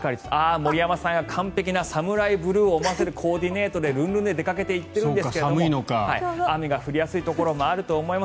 森山さんが完璧なＳＡＭＵＲＡＩＢＬＵＥを思わせるコーディネートでルンルンで出かけていっているんですが雨が降りやすいところもあると思います。